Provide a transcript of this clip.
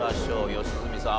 良純さん